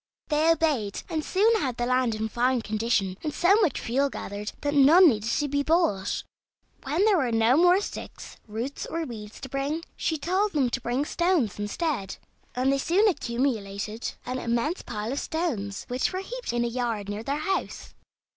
They obeyed, and soon had the land in fine condition, and so much fuel gathered that none need be bought. When there were no more sticks, roots, or weeds to bring; she told them to bring stones instead; and they soon accumulated an immense pile of stones, which were heaped in a yard near their house.